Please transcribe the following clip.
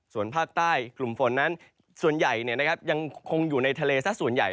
ส่วนภาคใต้กลุ่มฝนนั้นส่วนใหญ่เนี่ยนะครับยังคงอยู่ในทะเลซะส่วนใหญ่